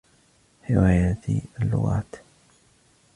هوايتي اللغات.